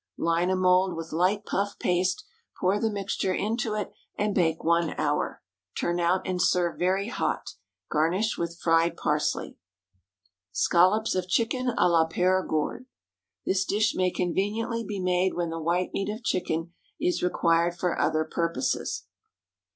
Line a mould with light puff paste, pour the mixture into it, and bake one hour; turn out and serve very hot. Garnish with fried parsley. Scallops of Chicken à la Périgord. This dish may conveniently be made when the white meat of chicken is required for other purposes.